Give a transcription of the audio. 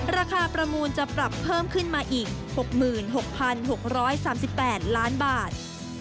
ประมูลจะปรับเพิ่มขึ้นมาอีก๖๖๖๓๘ล้านบาท